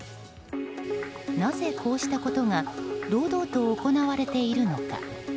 なぜこうしたことが堂々と行われているのか。